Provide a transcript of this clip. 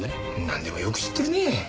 なんでもよく知ってるね。